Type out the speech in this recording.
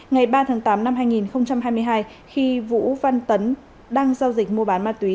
ngày ba tháng tám năm hai nghìn hai mươi hai khi vũ văn tấn đang giao dịch mua bán ma túy